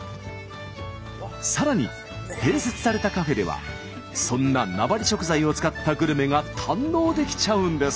さらに併設されたカフェではそんな名張食材を使ったグルメが堪能できちゃうんです！